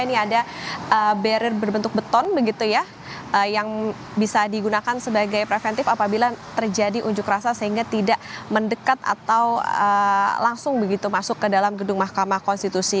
ini ada barrier berbentuk beton begitu ya yang bisa digunakan sebagai preventif apabila terjadi unjuk rasa sehingga tidak mendekat atau langsung begitu masuk ke dalam gedung mahkamah konstitusi